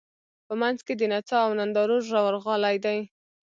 په منځ کې د نڅا او نندارو ژورغالی دی.